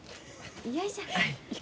よいしょ。